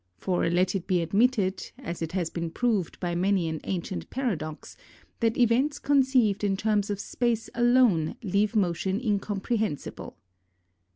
For let it be admitted, as it has been proved by many an ancient paradox, that events conceived in terms of space alone leave motion incomprehensible.